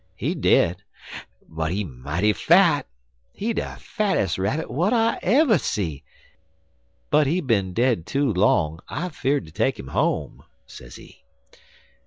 He dead, but he mighty fat. He de fattes' rabbit w'at I ever see, but he bin dead too long. I feard ter take 'im home,' sezee.